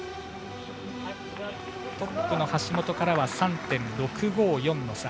トップの橋本からは３．６５４の差。